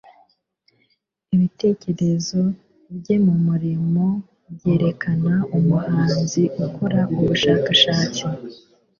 ibitekerezo bye kumurimo byerekana umuhanzi ukora ubushakashatsi